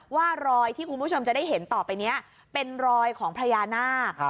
ว่ารอยที่คุณผู้ชมจะได้เห็นต่อไปนี้เป็นรอยของพญานาค